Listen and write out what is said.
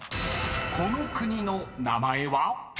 ［この国の名前は？］